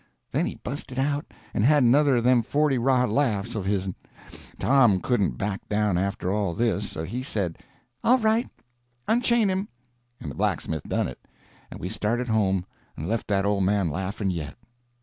Then he busted out, and had another of them forty rod laughs of hisn. Tom couldn't back down after all this, so he said, "All right, unchain him;" and the blacksmith done it, and we started home and left that old man laughing yet.